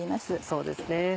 そうですね。